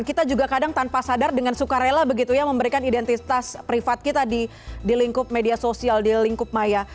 kita juga kadang tanpa sadar dengan suka rela begitu ya memberikan identitas privat kita di lingkup media sosial di lingkup maya